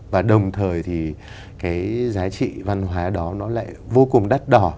và đồng thời thì cái giá trị văn hóa đó nó lại vô cùng đắt đỏ